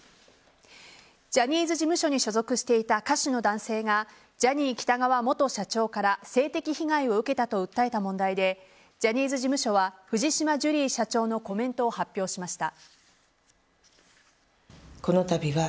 ジャニーズ事務所に所属していた歌手の男性がジャニー喜多川元社長から性的被害を受けたと訴えた問題でジャニーズ事務所は藤島ジュリー社長のコメントを発表しました。